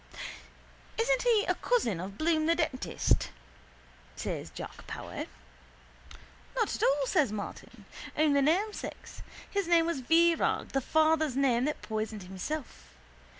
—Isn't he a cousin of Bloom the dentist? says Jack Power. —Not at all, says Martin. Only namesakes. His name was Virag, the father's name that poisoned himself.